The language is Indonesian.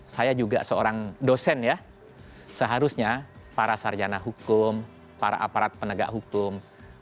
saya juga seorang dosen ya seharusnya para sarjana hukum para aparat penegak hukum